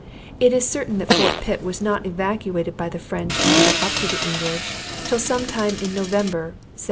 It is certain that Fort Pitt was not evacuated by the French and given up to the English, till sometime in November, 1758.